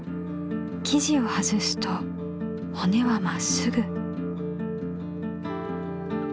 生地を外すとほねはまっすぐ。